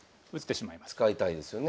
使いたいですよね。